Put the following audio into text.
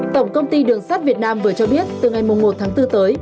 tổng công ty đường sắt việt nam vừa cho biết từ ngày một tháng bốn tới